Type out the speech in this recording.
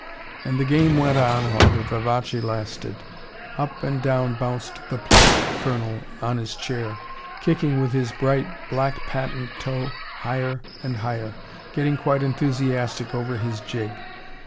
And the game went on while the vivace lasted. Up and down bounced the plump Colonel on his chair, kicking with his bright, black patent toe higher and higher, getting quite enthusiastic over his jig.